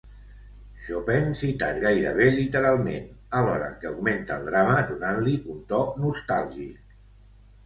Chopin citat gairebé literalment, alhora que augmenta el drama, donant-li un to nostàlgic.